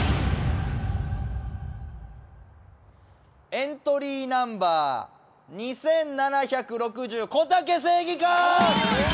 エントリーナンバー２７６０こたけ正義感！